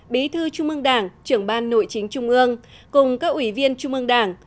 bí thư trung ương đảng trưởng ban nội chính trung ương cùng các ủy viên trung ương đảng